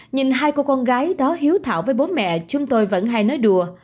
nhìn hai cô con gái đó hiếu thảo với bố mẹ chúng tôi vẫn hay nói đùa